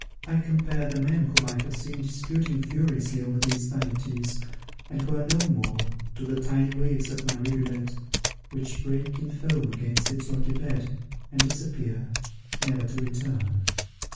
I compare the men whom I have seen disputing furiously over these vanities, and who are no more, to the tiny waves of my rivulet, which break in foam against its rocky bed, and disappear, never to return.